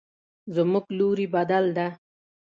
زموږ لوري بدل ده